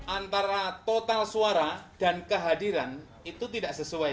antara total suara dan kehadiran itu tidak sesuai